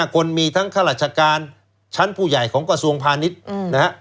คนมีทั้งข้าราชการชั้นผู้ใหญ่ของกระทรวงพาณิชย์นะฮะ